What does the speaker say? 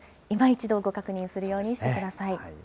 いま一度ご確認するようにしてください。